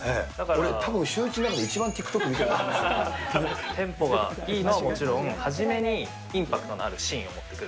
俺、たぶんシューイチの中で一番ＴｉｋＴｏｋ見てると思いまテンポがいいのはもちろん、初めにインパクトのあるシーンを持ってくる。